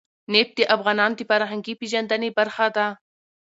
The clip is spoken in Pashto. نفت د افغانانو د فرهنګي پیژندنې برخه ده.